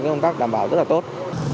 cái công tác đảm bảo rất là tốt